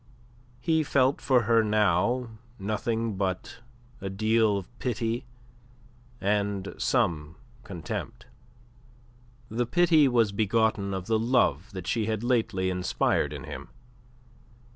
He felt for her now nothing but a deal of pity and some contempt. The pity was begotten of the love she had lately inspired in him.